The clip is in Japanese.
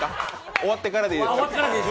終わってからでいいですか？